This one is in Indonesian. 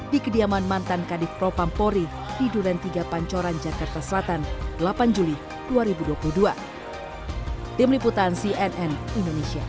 di kediaman mantan kadif propampori di duren tiga pancoran jakarta selatan delapan juli dua ribu dua puluh dua